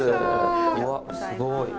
うわっすごい。